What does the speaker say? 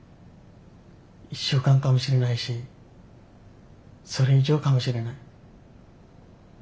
１週間かもしれないしそれ以上かもしれない。